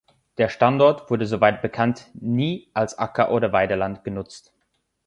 Der Standort wurde soweit bekannt nie als Acker oder Weideland genutzt.